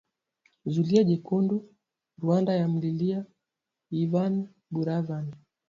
ZULIA JEKUNDU Rwanda yamlilia Yvan Buravan